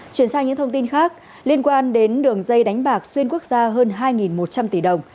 chuyển sang những thông tin khác liên quan đến đường dây đánh bạc xuyên quốc gia hơn hai một trăm linh tỷ đồng